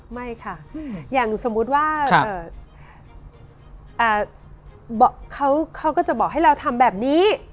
ไม่ค่ะอย่างสมมุติว่าเขาก็จะบอกให้เราทำแบบนี้